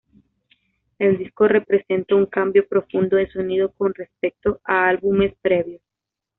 El disco representa un cambio profundo de sonido con respecto a álbumes previos.